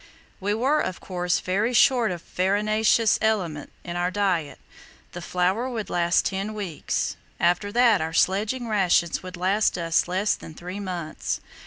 We were, of course, very short of the farinaceous element in our diet. The flour would last ten weeks. After that our sledging rations would last us less than three months.